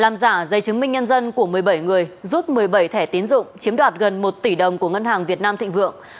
làm giả giấy chứng minh nhân dân của một mươi bảy người rút một mươi bảy thẻ tiến dụng chiếm đoạt gần một tỷ đồng của ngân hàng việt nam thịnh vượng